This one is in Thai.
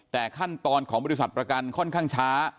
แต่ขั้นตอนของบริษัทประกันค่อนข้างช้า